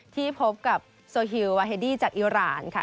ที่พบกับโซฮิลวาเฮดี้จากอิราณค่ะ